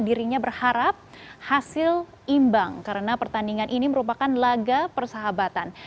dirinya berharap hasil imbang karena pertandingan ini merupakan laga persahabatan